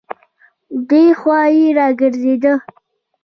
دی خوا يې راګرځېده.